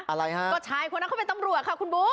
ก็ใช่คนนั้นเขาเป็นตำรวจครับคุณบุ๊ก